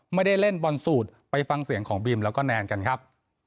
ไม่ได้เล่นบอลสูตรไปฟังเสียงของบิมแล้วก็แนนกันครับ